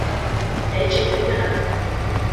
Jaitsi bolumena.